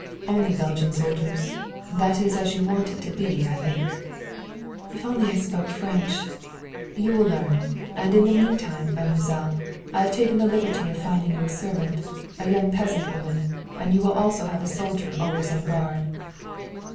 "Only Belgian soldiers. That is as you want it to be, I think." "If only I spoke French!" "You will learn. And in the meantime, mademoiselle, I have taken the liberty of finding you a servant a young peasant woman. And you will also have a soldier always on guard."